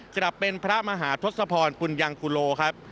กลับเป็นพระมหาทศพรปุญยังกุโลครับ